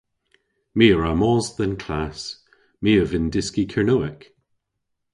My a wra mos dhe'n klass. My a vynn dyski Kernewek.